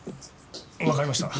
わかりました。